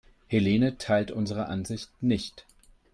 Helene teilt unsere Ansicht nicht.